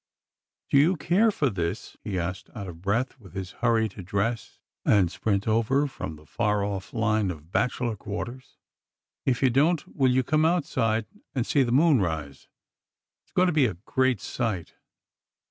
"Do you care for this?" he asked, out of breath with his hurry to dress and sprint over from the far off line of bachelors quarters. "If you don t, will you come out side and see the moon rise? It s going to be a great sight."